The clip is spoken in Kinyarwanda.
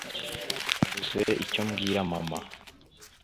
nabuze icyo mbwira mama